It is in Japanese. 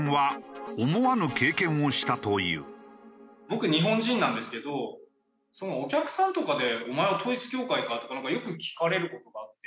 僕日本人なんですけどお客さんとかで「お前は統一教会か？」とかなんかよく聞かれる事があって。